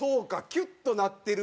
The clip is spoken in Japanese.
キュッとなってるうえに。